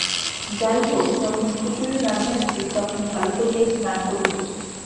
যাই হোক, যখন পুকুরে নামিয়াছি, তখন ভাল করিয়াই স্নান করিব।